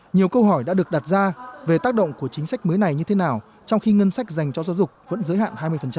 nhiều câu hỏi đã được đặt ra về tác động của chính sách mới này như thế nào trong khi ngân sách dành cho giáo dục vẫn giới hạn hai mươi